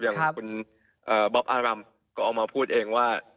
อย่างคุณบ๊อบอารำก็ออกมาพูดเองว่า